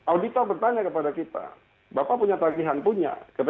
audito bertanya kepada kita bapak punya tagihan punya